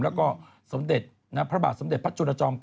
แล้วก็สมเด็จพระบาทสมเด็จพระจุลจอม๙